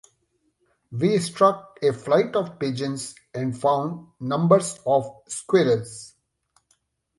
We struck a flight of pigeons and found numbers of squirrels.